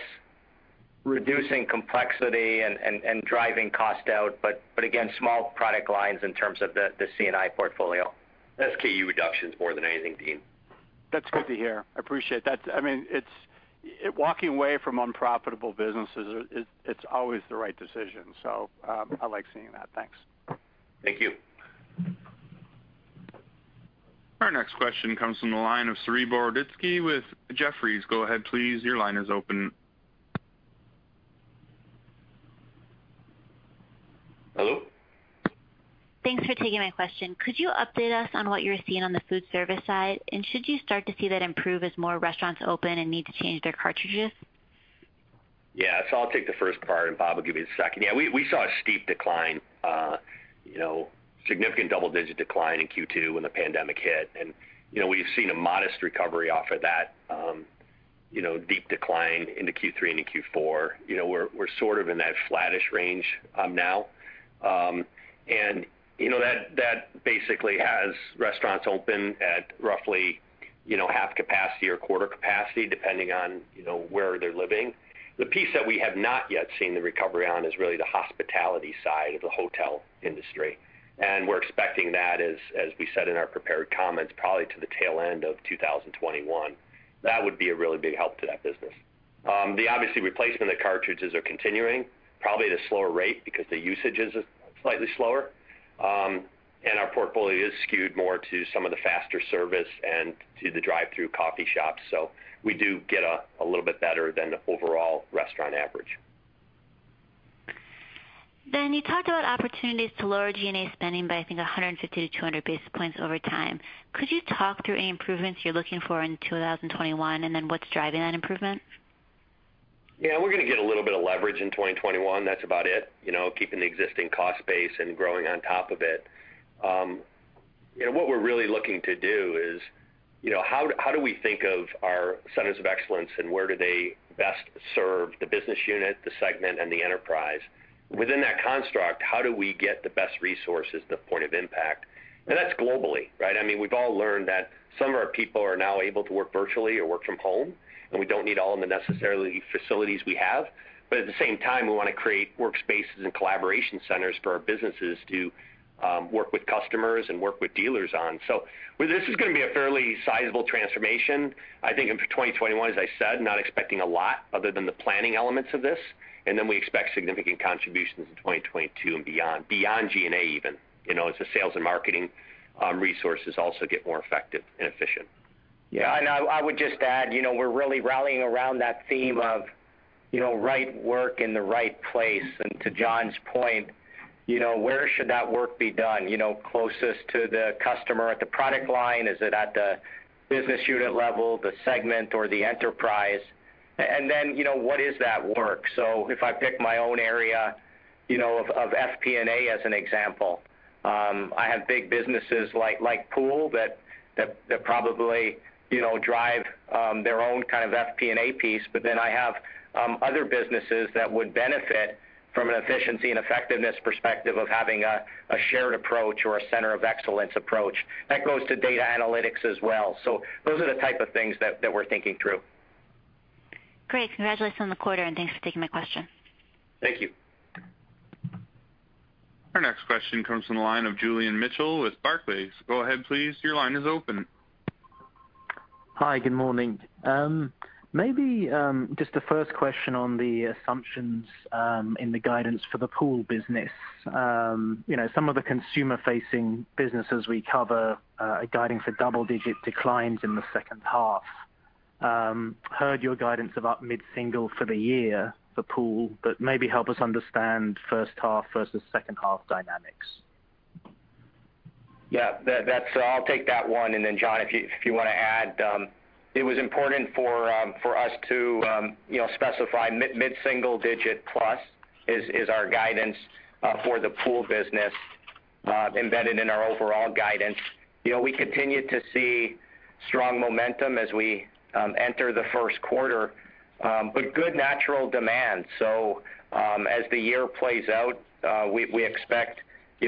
reducing complexity and driving cost out. Again, small product lines in terms of the C&I portfolio. SKU reductions more than anything, Deane. That's good to hear. I appreciate that. Walking away from unprofitable businesses, it's always the right decision. I like seeing that. Thanks. Thank you. Our next question comes from the line of Saree Boroditsky with Jefferies. Go ahead please. Your line is open. Hello? Thanks for taking my question. Could you update us on what you're seeing on the food service side? Should you start to see that improve as more restaurants open and need to change their cartridges? Yeah. I'll take the first part and Bob will give you the second. Yeah, we saw a steep decline, significant double-digit decline in Q2 when the pandemic hit. We've seen a modest recovery off of that deep decline into Q3 and Q4. We're sort of in that flattish range now. That basically has restaurants open at roughly half capacity or quarter capacity, depending on where they're living. The piece that we have not yet seen the recovery on is really the hospitality side of the hotel industry. We're expecting that as we said in our prepared comments, probably to the tail end of 2021. That would be a really big help to that business. The obviously replacement of cartridges are continuing probably at a slower rate because the usage is slightly slower. Our portfolio is skewed more to some of the faster service and to the drive-through coffee shops. We do get a little bit better than the overall restaurant average. You talked about opportunities to lower G&A spending by I think 150 to 200 basis points over time. Could you talk through any improvements you're looking for in 2021 and then what's driving that improvement? Yeah, we're going to get a little bit of leverage in 2021. That's about it. Keeping the existing cost base and growing on top of it. What we're really looking to do is, how do we think of our centers of excellence and where do they best serve the business unit, the segment, and the enterprise? Within that construct, how do we get the best resources to the point of impact? That's globally. We've all learned that some of our people are now able to work virtually or work from home, and we don't need all of the necessary facilities we have. At the same time, we want to create workspaces and collaboration centers for our businesses to work with customers and work with dealers on. This is going to be a fairly sizable transformation. I think in 2021, as I said, not expecting a lot other than the planning elements of this, then we expect significant contributions in 2022 and beyond G&A even, as the sales and marketing resources also get more effective and efficient. Yeah. I would just add, we're really rallying around that theme of right work in the right place. To John's point, where should that work be done? Closest to the customer at the product line? Is it at the business unit level, the segment, or the enterprise? Then, what is that work? If I pick my own area of FP&A as an example, I have big businesses like Pool that probably drive their own kind of FP&A piece, but then I have other businesses that would benefit from an efficiency and effectiveness perspective of having a shared approach or a center of excellence approach. That goes to data analytics as well. Those are the type of things that we're thinking through. Great. Congratulations on the quarter. Thanks for taking my question. Thank you. Our next question comes from the line of Julian Mitchell with Barclays. Go ahead, please. Hi. Good morning. Maybe just the first question on the assumptions in the guidance for the Pool business? Some of the consumer-facing businesses we cover are guiding for double-digit declines in the second half. Heard your guidance about mid-single for the year for Pool. Maybe help us understand first half versus second half dynamics? Yeah. I'll take that one, and then John, if you want to add. It was important for us to specify mid-single digit plus is our guidance for the Pool business embedded in our overall guidance. We continue to see strong momentum as we enter the first quarter with good natural demand. As the year plays out, we expect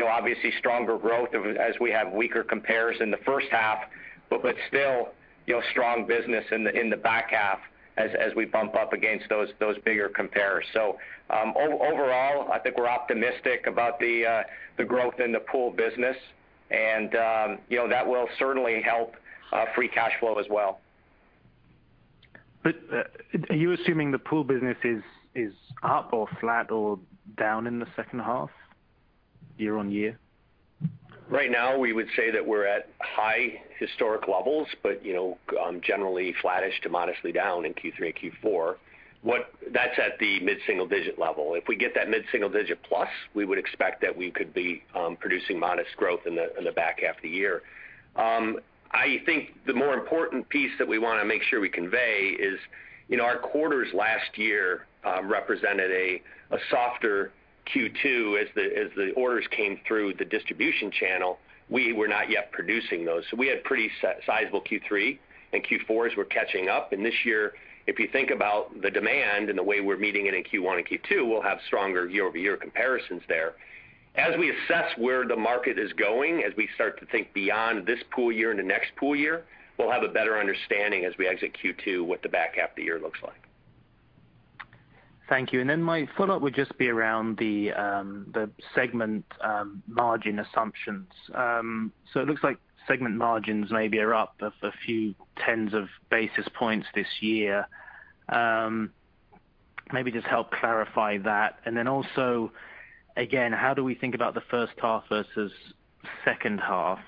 obviously stronger growth as we have weaker compares in the first half, but still strong business in the back half as we bump up against those bigger compares. Overall, I think we're optimistic about the growth in the Pool business, and that will certainly help free cash flow as well. Are you assuming the Pool business is up or flat or down in the second half year-on-year? Right now, we would say that we're at high historic levels, but generally flattish to modestly down in Q3 and Q4. That's at the mid-single digit level. If we get that mid-single digit plus, we would expect that we could be producing modest growth in the back half of the year. I think the more important piece that we want to make sure we convey is our quarters last year represented a softer Q2 as the orders came through the distribution channel. We were not yet producing those. We had pretty sizable Q3 and Q4 as we're catching up. This year, if you think about the demand and the way we're meeting it in Q1 and Q2, we'll have stronger year-over-year comparisons there. As we assess where the market is going, as we start to think beyond this pool year and the next pool year, we'll have a better understanding as we exit Q2 what the back half of the year looks like. Thank you. My follow-up would just be around the segment margin assumptions. It looks like segment margins maybe are up a few tens of basis points this year. Maybe just help clarify that. Also, again, how do we think about the first half versus second half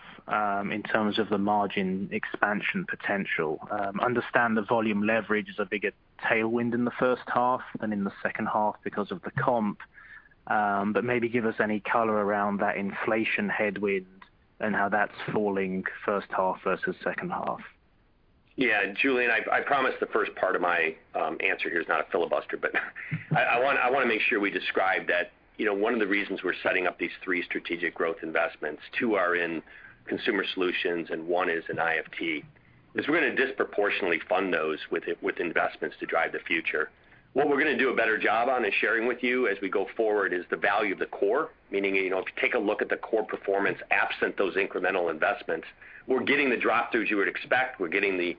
in terms of the margin expansion potential? Understand the volume leverage is a bigger tailwind in the first half than in the second half because of the comp. Maybe give us any color around that inflation headwind and how that's falling first half versus second half. Yeah. Julian, I promise the first part of my answer here is not a filibuster, I want to make sure we describe that one of the reasons we're setting up these three strategic growth investments, two are in Consumer Solutions and one is in IFT, is we're going to disproportionately fund those with investments to drive the future. What we're going to do a better job on is sharing with you as we go forward is the value of the core, meaning if you take a look at the core performance absent those incremental investments, we're getting the drop-throughs you would expect. We're getting the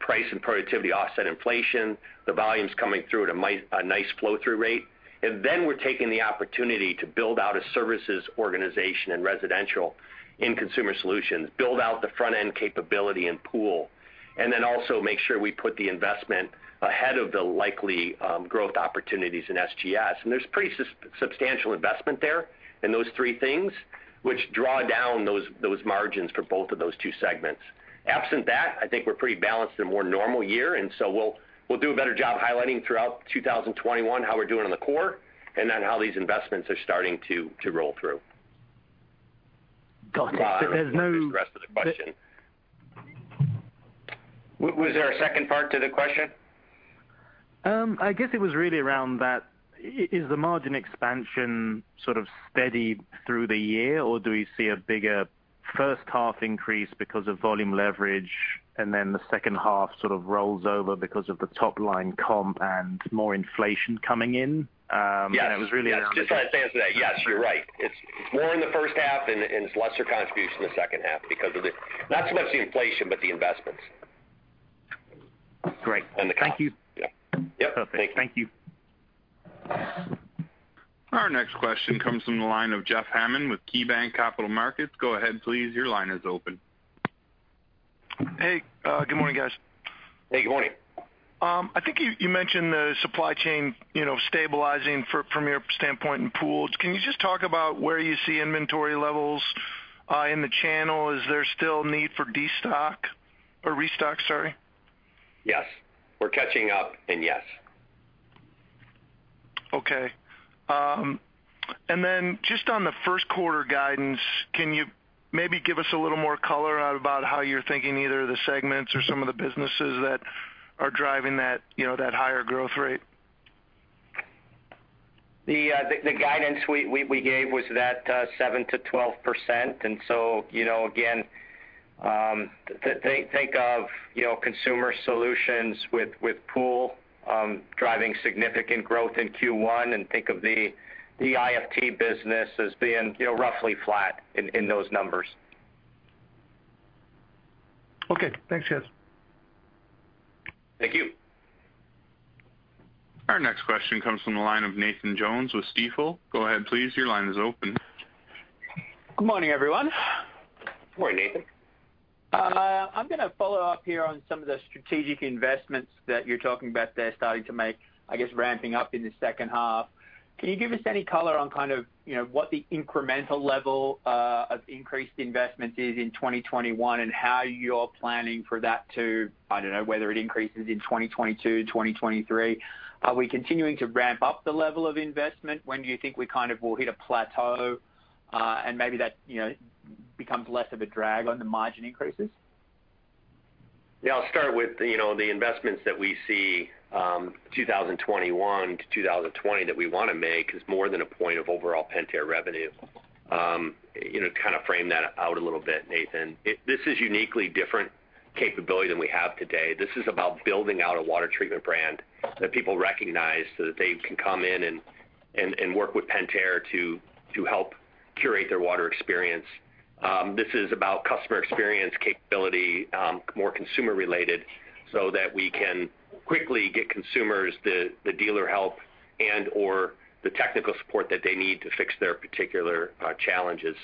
price and productivity offset inflation. The volumes coming through at a nice flow-through rate. We're taking the opportunity to build out a services organization and residential in Consumer Solutions, build out the front-end capability in Pool, and then also make sure we put the investment ahead of the likely growth opportunities in SGS. There's pretty substantial investment there in those three things, which draw down those margins for both of those two segments. Absent that, I think we're pretty balanced in a more normal year, and so we'll do a better job highlighting throughout 2021 how we're doing on the core and then how these investments are starting to roll through. Got it. The rest of the question. Was there a second part to the question? I guess it was really around that, is the margin expansion sort of steady through the year, or do we see a bigger first half increase because of volume leverage, and then the second half sort of rolls over because of the top-line comp and more inflation coming in? Yes. Just trying to answer that. Yes, you're right. It's more in the first half and it's lesser contribution in the second half because of the not so much the inflation, but the investments. Great. Thank you. Yeah. Perfect. Thanks. Thank you. Our next question comes from the line of Jeff Hammond with KeyBanc Capital Markets. Go ahead, please. Your line is open. Hey. Good morning, guys. Hey, good morning. I think you mentioned the supply chain stabilizing from your standpoint in pools. Can you just talk about where you see inventory levels in the channel? Is there still need for destock or restock? Sorry. Yes. We're catching up. Yes. Okay. Just on the first quarter guidance, can you maybe give us a little more color out about how you're thinking, either the segments or some of the businesses that are driving that higher growth rate? The guidance we gave was that 7%-12%. Again, think of Consumer Solutions with pool driving significant growth in Q1, and think of the IFT business as being roughly flat in those numbers. Okay, thanks. Yes. Thank you. Our next question comes from the line of Nathan Jones with Stifel. Go ahead, please. Your line is open. Good morning, everyone. Good morning, Nathan. I'm going to follow up here on some of the strategic investments that you're talking about there starting to make, I guess, ramping up in the second half. Can you give us any color on kind of what the incremental level of increased investment is in 2021 and how you're planning for that to, I don't know, whether it increases in 2022, 2023? Are we continuing to ramp up the level of investment? When do you think we kind of will hit a plateau, and maybe that becomes less of a drag on the margin increases? I'll start with the investments that we see 2021 to 2020 that we want to make is more than a point of overall Pentair revenue. Kind of frame that out a little bit, Nathan. This is uniquely different capability than we have today. This is about building out a water treatment brand that people recognize, so that they can come in and work with Pentair to help curate their water experience. This is about customer experience capability, more consumer related, so that we can quickly get consumers the dealer help and/or the technical support that they need to fix their particular challenges.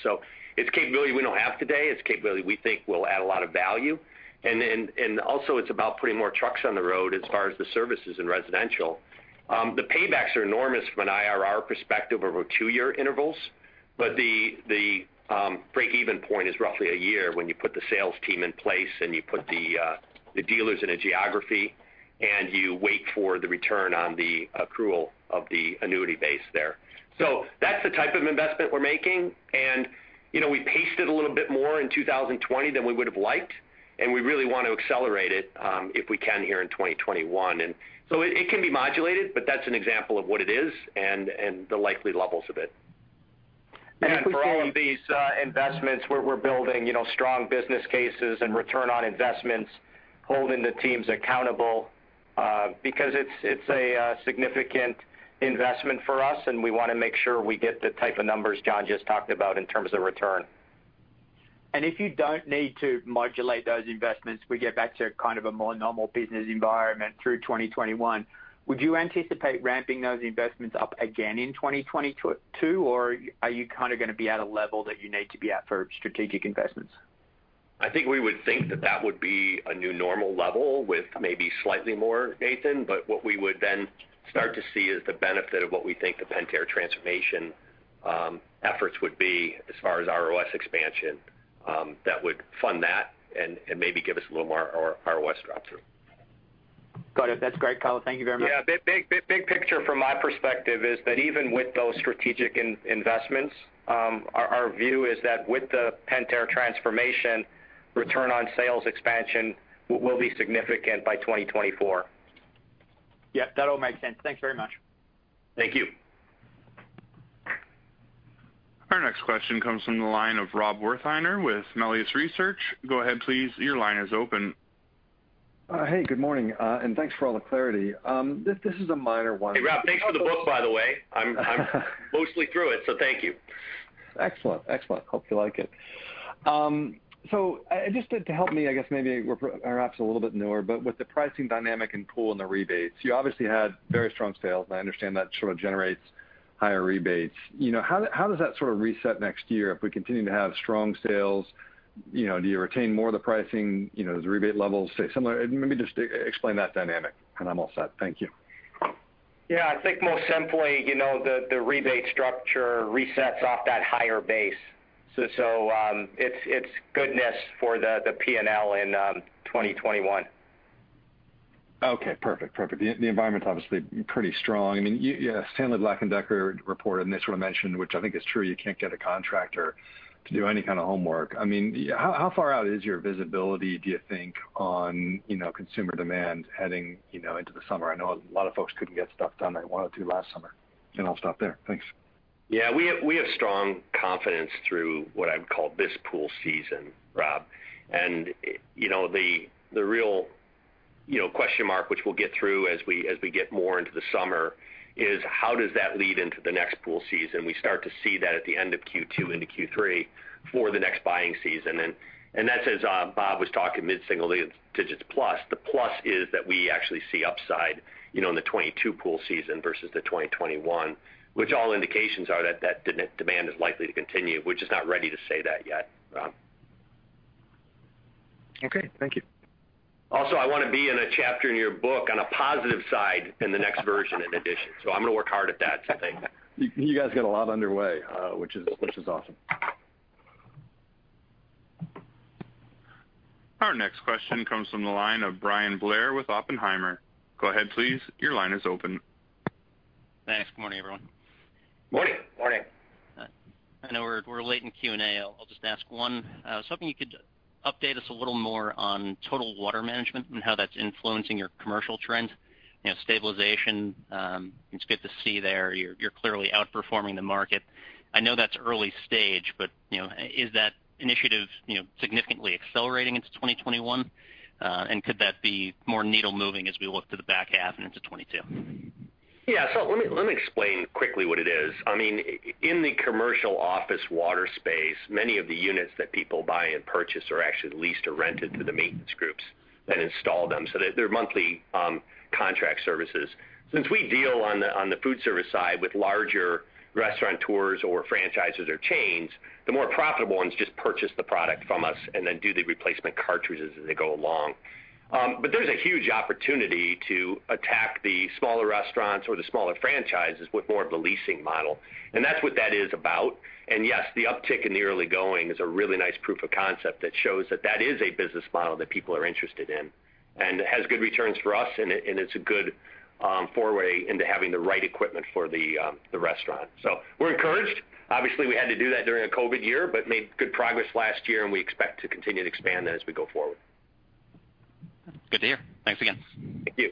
It's capability we don't have today. It's capability we think will add a lot of value. Also, it's about putting more trucks on the road as far as the services in residential. The paybacks are enormous from an IRR perspective over two-year intervals, but the break-even point is roughly a year when you put the sales team in place and you put the dealers in a geography, and you wait for the return on the accrual of the annuity base there. That's the type of investment we're making, and we paced it a little bit more in 2020 than we would've liked, and we really want to accelerate it if we can here in 2021. It can be modulated, but that's an example of what it is and the likely levels of it. For all of these investments, we're building strong business cases and return on investments, holding the teams accountable, because it's a significant investment for us, and we want to make sure we get the type of numbers John just talked about in terms of return. If you don't need to modulate those investments, we get back to kind of a more normal business environment through 2021, would you anticipate ramping those investments up again in 2022, or are you kind of going to be at a level that you need to be at for strategic investments? I think we would think that that would be a new normal level with maybe slightly more, Nathan, but what we would then start to see is the benefit of what we think the Pentair transformation efforts would be as far as ROS expansion. That would fund that and maybe give us a little more ROS drop-through. Got it. That's great color. Thank you very much. Yeah. Big picture from my perspective is that even with those strategic investments, our view is that with the Pentair transformation, return on sales expansion will be significant by 2024. Yep, that all makes sense. Thanks very much. Thank you. Our next question comes from the line of Rob Wertheimer with Melius Research. Go ahead, please. Hey, good morning, and thanks for all the clarity. This is a minor one. Hey, Rob. Thanks for the book, by the way. I'm mostly through it, so thank you. Excellent. Hope you like it. Just to help me, I guess maybe our ops are a little bit newer, but with the pricing dynamic and pool and the rebates, you obviously had very strong sales, I understand that sort of generates higher rebates. How does that sort of reset next year if we continue to have strong sales? Do you retain more of the pricing? Does the rebate levels stay similar? Maybe just explain that dynamic. I'm all set. Thank you. Yeah, I think most simply, the rebate structure resets off that higher base. It's goodness for the P&L in 2021. Okay, perfect. The environment's obviously pretty strong. Stanley Black & Decker reported, and they sort of mentioned, which I think is true, you can't get a contractor to do any kind of homework. How far out is your visibility, do you think, on consumer demand heading into the summer? I know a lot of folks couldn't get stuff done they wanted to last summer. I'll stop there. Thanks. Yeah. We have strong confidence through what I would call this pool season, Rob. The real question mark, which we'll get through as we get more into the summer, is how does that lead into the next pool season? We start to see that at the end of Q2 into Q3 for the next buying season. That's, as Bob was talking, mid-single digits plus. The plus is that we actually see upside in the 2022 pool season versus the 2021, which all indications are that that demand is likely to continue. We're just not ready to say that yet, Rob. Okay. Thank you. Also, I want to be in a chapter in your book on a positive side in the next version and edition. I'm going to work hard at that, so thank you. You guys got a lot underway, which is awesome. Our next question comes from the line of Bryan Blair with Oppenheimer. Thanks. Good morning, everyone. Morning. Morning. I know we're late in Q&A. I'll just ask one. I was hoping you could update us a little more on Total Water Management and how that's influencing your commercial trend. Stabilization, it's good to see there. You're clearly outperforming the market. I know that's early stage, but is that initiative significantly accelerating into 2021? Could that be more needle moving as we look to the back half and into 2022? Yeah. Let me explain quickly what it is. In the commercial office water space, many of the units that people buy and purchase are actually leased or rented to the maintenance groups that install them. They're monthly contract services. Since we deal on the food service side with larger restaurateurs or franchises or chains, the more profitable ones just purchase the product from us and then do the replacement cartridges as they go along. There's a huge opportunity to attack the smaller restaurants or the smaller franchises with more of the leasing model, and that's what that is about. Yes, the uptick in the early going is a really nice proof of concept that shows that that is a business model that people are interested in, and has good returns for us, and it's a good foray into having the right equipment for the restaurant. We're encouraged. Obviously, we had to do that during a COVID year, but made good progress last year, and we expect to continue to expand that as we go forward. Good to hear. Thanks again. Thank you.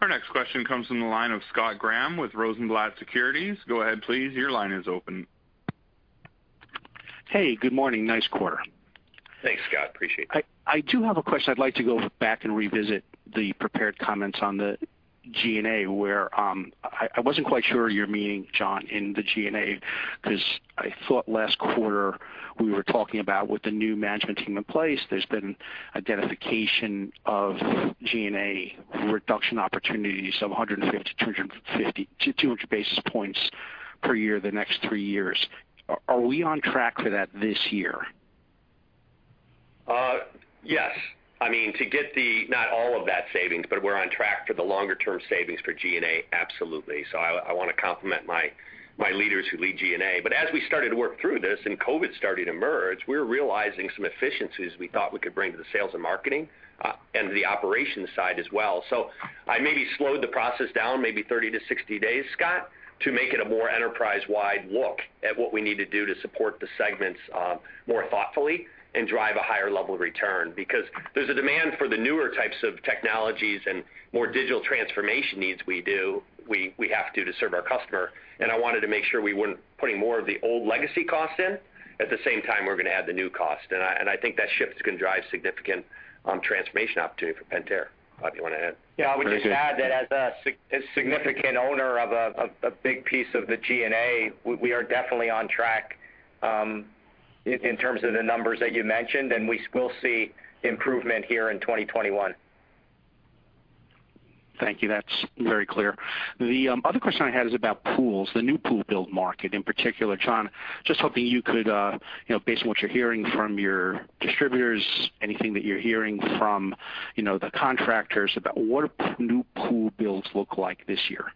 Our next question comes from the line of Scott Graham with Rosenblatt Securities. Go ahead, please. Hey, good morning. Nice quarter. Thanks, Scott. Appreciate it. I do have a question. I'd like to go back and revisit the prepared comments on the G&A, where I wasn't quite sure your meaning, John, in the G&A, because I thought last quarter we were talking about with the new management team in place, there's been identification of G&A reduction opportunities of 150-200 basis points per year the next three years. Are we on track for that this year? Yes. To get not all of that savings, but we're on track for the longer-term savings for G&A, absolutely. I want to compliment my leaders who lead G&A. As we started to work through this and COVID started to emerge, we were realizing some efficiencies we thought we could bring to the sales and marketing and the operations side as well. I maybe slowed the process down maybe 30 to 60 days, Scott, to make it a more enterprise-wide look at what we need to do to support the segments more thoughtfully and drive a higher level of return. Because there's a demand for the newer types of technologies and more digital transformation needs we have to do to serve our customer, and I wanted to make sure we weren't putting more of the old legacy costs in. At the same time, we're going to add the new cost. I think that shift is going to drive significant transformation opportunity for Pentair. Bob, do you want to add? Yeah. I would just add that as a significant owner of a big piece of the G&A, we are definitely on track in terms of the numbers that you mentioned, and we will see improvement here in 2021. Thank you. That's very clear. The other question I had is about pools, the new pool build market in particular. John, just hoping you could, based on what you're hearing from your distributors, anything that you're hearing from the contractors about what do new pool builds look like this year?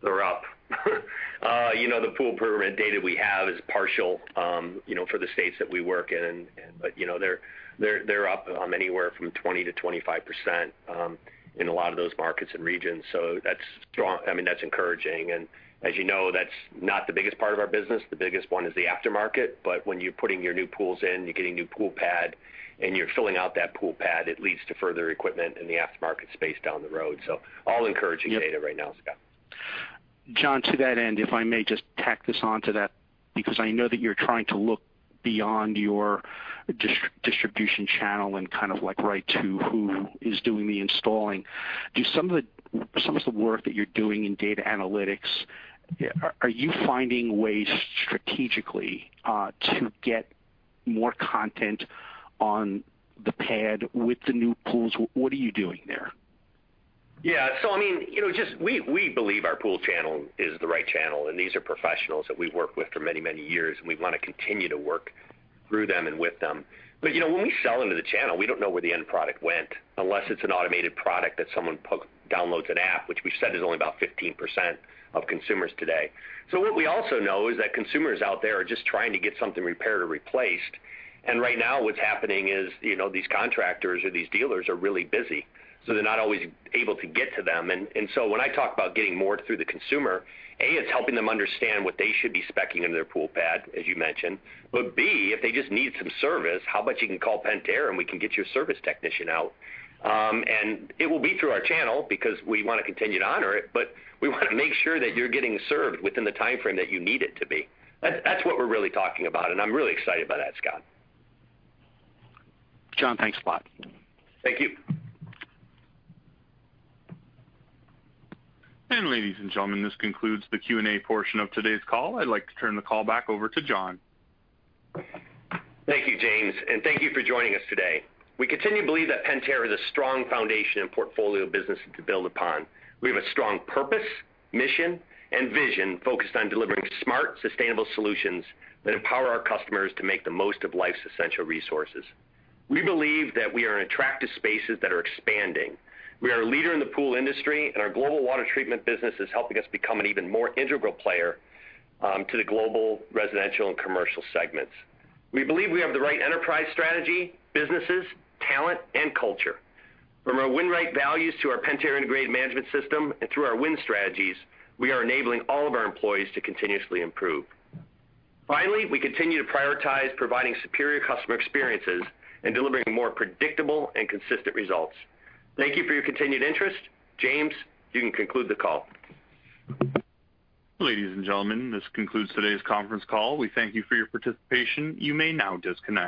They're up. The pool permit data we have is partial for the states that we work in, but they're up anywhere from 20% to 25% in a lot of those markets and regions. That's encouraging. As you know, that's not the biggest part of our business. The biggest one is the aftermarket, but when you're putting your new pools in, you're getting new pool pad, and you're filling out that pool pad, it leads to further equipment in the aftermarket space down the road. All encouraging data right now, Scott. John, to that end, if I may just tack this onto that, because I know that you're trying to look beyond your distribution channel and kind of right to who is doing the installing. Do some of the work that you're doing in data analytics, are you finding ways strategically to get more content on the pad with the new pools? What are you doing there? Yeah. We believe our pool channel is the right channel, and these are professionals that we've worked with for many, many years, and we want to continue to work through them and with them. When we sell into the channel, we don't know where the end product went, unless it's an automated product that someone downloads an app, which we've said is only about 15% of consumers today. What we also know is that consumers out there are just trying to get something repaired or replaced. Right now what's happening is these contractors or these dealers are really busy, so they're not always able to get to them. When I talk about getting more through the consumer, A, it's helping them understand what they should be speccing in their pool pad, as you mentioned. B, if they just need some service, how about you can call Pentair and we can get you a service technician out? It will be through our channel because we want to continue to honor it, but we want to make sure that you're getting served within the timeframe that you need it to be. That's what we're really talking about, and I'm really excited about that, Scott. John, thanks a lot. Thank you. Ladies and gentlemen, this concludes the Q&A portion of today's call. I'd like to turn the call back over to John. Thank you, James, and thank you for joining us today. We continue to believe that Pentair is a strong foundation and portfolio of businesses to build upon. We have a strong purpose, mission, and vision focused on delivering smart, sustainable solutions that empower our customers to make the most of life's essential resources. We believe that we are in attractive spaces that are expanding. We are a leader in the pool industry. Our global water treatment business is helping us become an even more integral player to the global residential and commercial segments. We believe we have the right enterprise strategy, businesses, talent, and culture. From our Win Right values to our Pentair Integrated Management System and through our win strategies, we are enabling all of our employees to continuously improve. Finally, we continue to prioritize providing superior customer experiences and delivering more predictable and consistent results. Thank you for your continued interest. James, you can conclude the call. Ladies and gentlemen, this concludes today's conference call. We thank you for your participation. You may now disconnect.